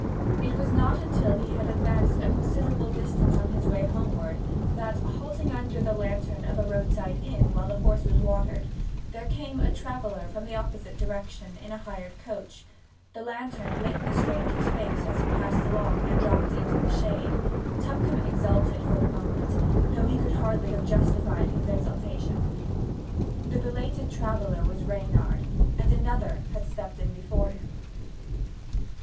It was not till he had advanced a considerable distance on his way homeward that, halting under the lantern of a roadside inn while the horse was watered, there came a traveller from the opposite direction in a hired coach; the lantern lit the stranger's face as he passed along and dropped into the shade. Tupcombe exulted for the moment, though he could hardly have justified his exultation. The belated traveller was Reynard; and another had stepped in before him.